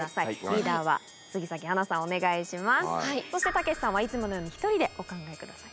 たけしさんはいつものように１人でお考えください。